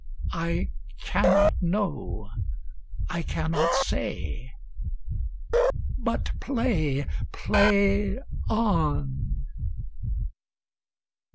I cannot know. I cannot say. But play, play on.